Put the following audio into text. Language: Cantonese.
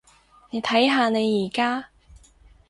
你睇下你而家？